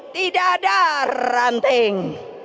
tidak ada ranting